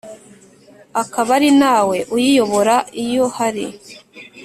akaba ari na we uyiyobora Iyo hari